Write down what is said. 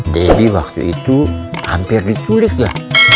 debbie waktu itu hampir diculik ya